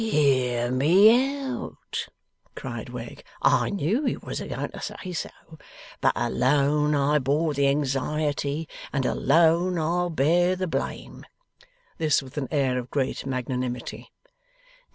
' Hear me out!' cried Wegg. 'I knew you was a going to say so. But alone I bore the anxiety, and alone I'll bear the blame!' This with an air of great magnanimity.